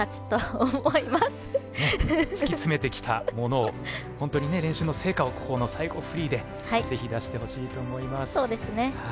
突き詰めてきたものを本当に練習の成果をここの最後、フリーでぜひ出してほしいと思います。